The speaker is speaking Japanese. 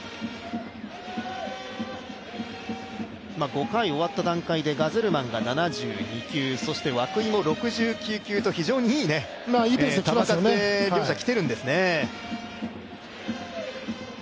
５回終わった段階でガゼルマンが７２球、涌井も６９球と、非常にいい球数で両者きているんですね。